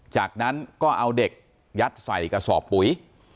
จากนั้นก็เอาเด็กยัดใส่กระสอบปุ๋ย